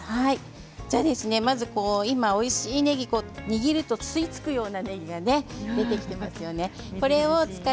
今おいしいねぎ握ると吸い付くようなねぎが出てきてますね。